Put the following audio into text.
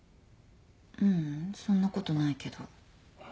ううんそんなことないけど。